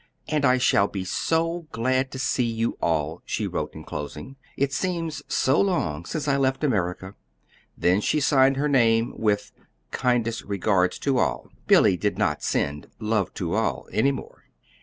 "And I shall be so glad to see you all," she wrote in closing. "It seems so long since I left America." Then she signed her name with "kindest regards to all" Billy did not send "love to all" any more.